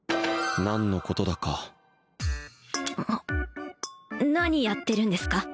何のことだか何やってるんですか？